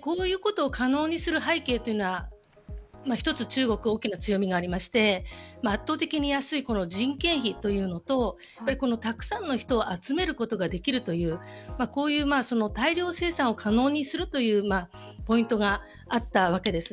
こういうことを可能にする背景というのは一つ中国として大きな強みがありまして圧倒的に安い人件費とたくさんの人を集めることができるという大量生産を可能にするというポイントがあったわけです。